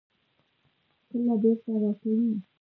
کله بیرته راکوئ؟